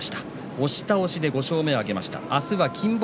押し倒しで５勝目を挙げました。